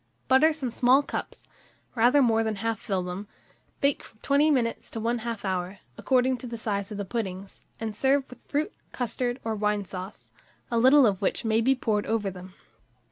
Butter some small cups, rather more than half fill them; bake from 20 minutes to 1/2 hour, according to the size of the puddings, and serve with fruit, custard, or wine sauce, a little of which may be poured over them.